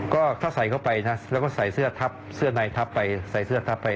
ก็ถ้าใส่เข้าไปนะแล้วก็ใส่เสื้อทับเสื้อในทับไปใส่เสื้อทับไป